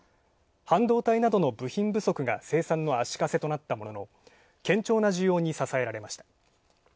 半導体などの部品不足が生産の足かせとなったものの、堅調な需要に支えられました。